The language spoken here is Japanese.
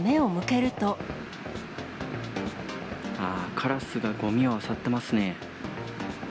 あー、カラスがごみをあさってますね。